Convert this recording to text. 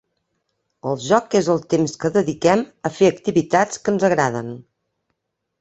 El joc és el temps que dediquem a fer activitats que ens agraden.